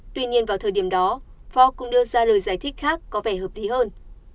tuy nhiên vào thời điểm đó fogg cũng đưa ra lời giải thích khác có vẻ hợp đí hơn